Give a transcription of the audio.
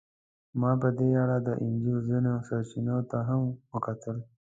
ما په دې اړه د انجیل ځینو سرچینو ته هم وکتل.